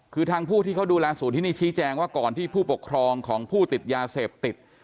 คือทางผู้ที่เขาดูแลศูนย์ที่นี่ชี้แจงว่าก่อนที่ผู้ปกครองของผู้ติดยาเสพติด